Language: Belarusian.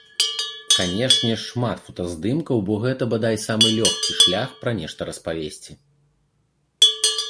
Канечне, шмат фотаздымкаў, бо гэта, бадай, самы лёгкі шлях пра нешта распавесці.